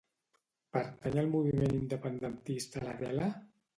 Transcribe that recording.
Pertany al moviment independentista l'Adela?